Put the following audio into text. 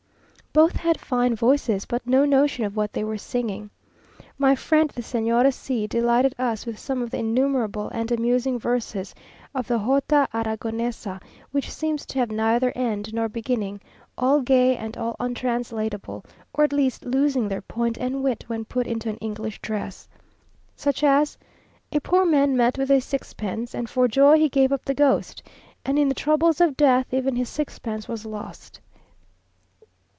Both had fine voices, but no notion of what they were singing. My friend the Señora C delighted us with some of the innumerable and amusing verses of the Jota Arragonesa, which seem to have neither end nor beginning, all gay and all untranslatable, or at least losing their point and wit when put into an English dress. Such as A poor man met with a sixpence, And for joy he gave up the ghost. And in the troubles of death, Even his sixpence was lost.